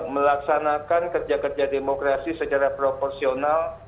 melaksanakan kerja kerja demokrasi secara proporsional